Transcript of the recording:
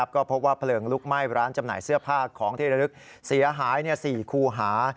ก็พบว่าเพลิงลุกไหม้ร้านจำหน่ายเสื้อผ้าของที่ระลึกเสียหาย๔คูหา